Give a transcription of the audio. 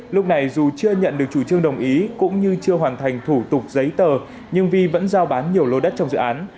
lúc này dù chưa nhận được chủ trương đồng ý cũng như chưa hoàn thành thủ tục giấy tờ nhưng vi vẫn giao bán nhiều lô đất trong dự án